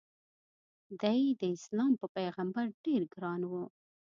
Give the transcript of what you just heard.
د ی داسلام په پیغمبر ډېر ګران و.